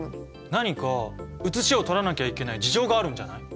何か写しを取らなきゃいけない事情があるんじゃない？